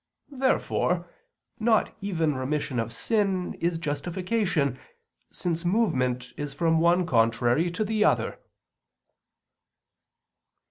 Therefore not even remission of sin is justification, since movement is from one contrary to the other.